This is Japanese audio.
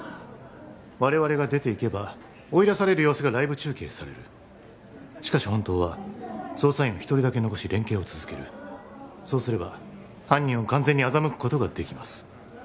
我々が出ていけば追い出される様子がライブ中継されるしかし本当は捜査員を一人だけ残し連携を続けるそうすれば犯人を完全に欺くことができます